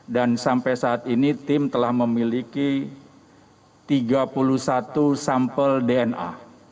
dan sampai saat ini tim telah memiliki tiga puluh satu sampel dna